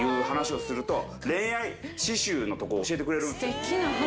すてきな話。